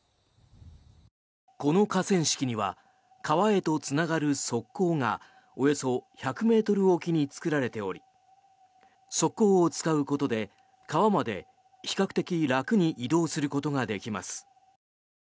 この河川敷には川へとつながる側溝がおよそ１００ｍおきに作られており側溝を使うことで川まで比較的楽に移動することができます。